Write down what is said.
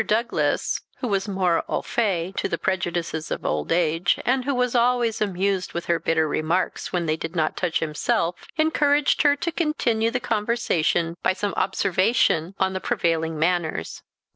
Douglas, who was more au fait to the prejudices of old age, and who was always amused with her bitter remarks when they did not touch himself, encouraged her to continue the conversation by some observation on the prevailing manners.